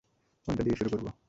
কোনটা দিয়ে শুরু করবো?